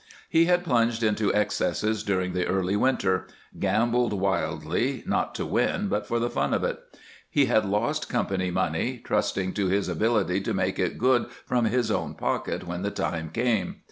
He had plunged into excesses during the early winter; gambled wildly, not to win, but for the fun of it. He had lost company money, trusting to his ability to make it good from his own pocket when the time came.